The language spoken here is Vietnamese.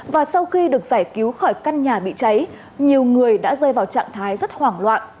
và sau khi được giải cứu khỏi căn nhà bị cháy nhiều người đã rơi vào trạng thái rất hoảng loạn